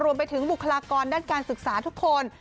รวมไปถึงบุคลากรด้านการศึกษาทุกคน